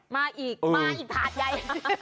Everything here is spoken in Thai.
มาอีกมาอีกถาดใหญ่